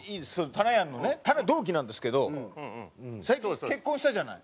たなやん同期なんですけど最近結婚したじゃない？